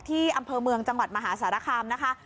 อำเภอเมืองจังหวัดมหาสารคามนะคะ